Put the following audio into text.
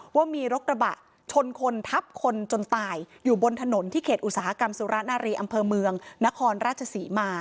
ว่ามีรถกระบะชนคนทับคนจนตายอยู่บนถนนที่เขตอุตสาหกรรมสุรนารีอำเภอเมืองนครราชศรีมา